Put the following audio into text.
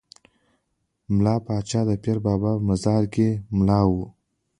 ملا پاچا د پیر بابا په مزار کې ملا وو.